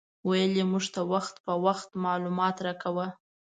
ویل یې موږ ته وخت په وخت معلومات راکاوه.